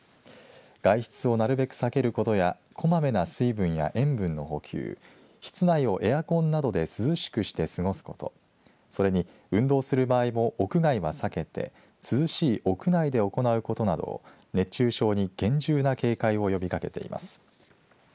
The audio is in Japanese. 外出をなるべく避けることやこまめな水分や塩分の補給室内をエアコンなどで涼しくして過ごすことそれに運動する場合も屋外は避けて涼しい屋内で行うことなど熱中症に厳重な警戒を呼びかけています。